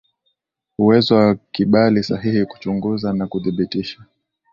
uwezo na kibali sahihi kuchunguza na kuthibitisha